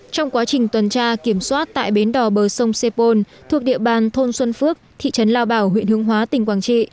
trong quá trình tuần tra kiểm soát tại bến đỏ bờ sông sepol thuộc địa bàn thôn xuân phước thị trấn lao bảo huyện hương hóa tỉnh quảng trị